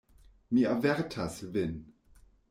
Mi avertas vin.